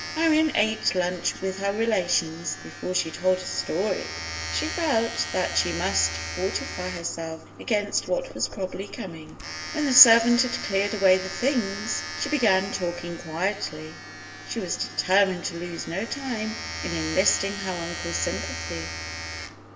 Marion ate lunch with her relations before she told her story. She felt that she must fortify herself against what was probably coming. When the servant had cleared away the things, she began talking quietly. She was determined to lose no time in enlisting her uncle's sympathy.